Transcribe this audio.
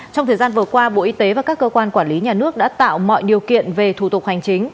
trong thời gian vừa qua bộ y tế và các cơ quan quản lý nhà nước đã tạo mọi điều kiện về thủ tục hành chính